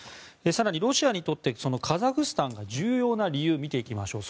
更に、ロシアにとってカザフスタンが重要な理由を見ていきましょう。